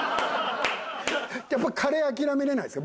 やっぱカレー諦められないですか？